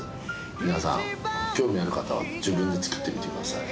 皆さん興味ある方は自分で作ってみてください。